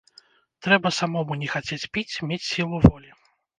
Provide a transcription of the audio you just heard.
Трэба самому не хацець піць, мець сілу волі.